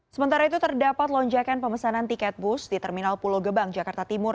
sementara itu terdapat lonjakan pemesanan tiket bus di terminal pulau gebang jakarta timur